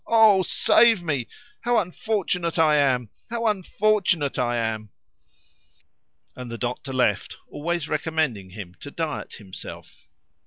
Oh, save me! How unfortunate I am! How unfortunate I am!" And the doctor left, always recommending him to diet himself.